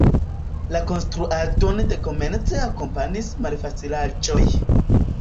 La konstruadon de komence akompanis malfacilaĵoj.